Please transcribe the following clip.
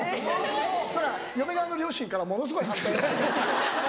そしたら嫁側の両親からものすごい反対を。